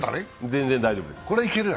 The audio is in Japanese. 全然大丈夫です。